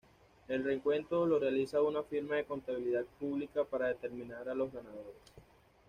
El recuento lo realiza una firma de contabilidad pública, para determinar a los ganadores.